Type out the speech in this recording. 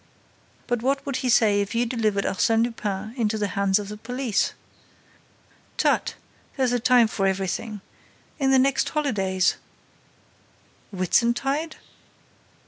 "But what would he say if you delivered Arsène Lupin into the hands of the police?" "Tut! There's a time for everything. In the next holidays—" "Whitsuntide?"